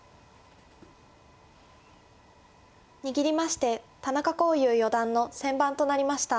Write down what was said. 握りまして田中康湧四段の先番となりました。